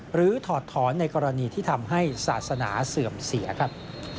ถอดถอนในกรณีที่ทำให้ศาสนาเสื่อมเสียครับ